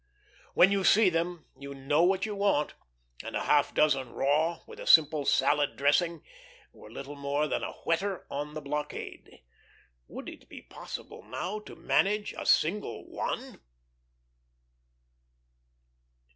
When you see them you know what you want; and a half dozen raw, with a simple salad dressing, were little more than a whetter on the blockade. Would it be possible now to manage a single one?